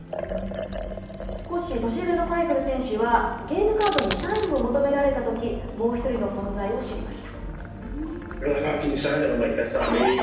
少し年上のファイグル選手は、ゲームカードにサインを求められたとき、もう１人の存在を知りました。